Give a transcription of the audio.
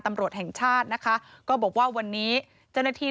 ตำรวจแห่งชาตินะคะก็บอกว่าวันนี้เจ้าหน้าที่